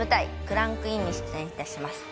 『クランク・イン！』に出演いたします。